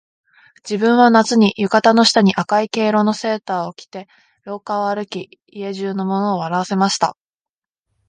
自分は夏に、浴衣の下に赤い毛糸のセーターを着て廊下を歩き、家中の者を笑わせました